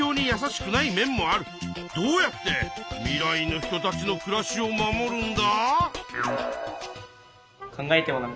どうやって未来の人たちの暮らしを守るんだ？